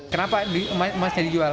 kenapa emasnya dijual